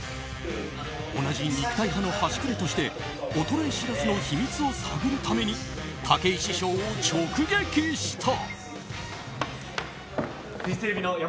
同じ肉体派の端くれとして衰え知らずの秘密を知るために武井師匠を直撃した。